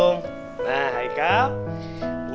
nah ini tempat tidur kamu